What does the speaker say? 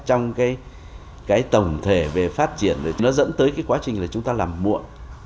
trong tổng thể về phát triển nó dẫn tới quá trình chúng ta làm muộn